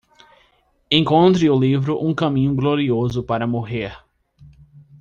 Encontre o livro Um Caminho Glorioso para Morrer